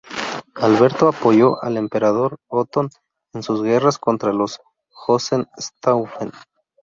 Alberto apoyó al emperador Otón en sus guerras contra los Hohenstaufen.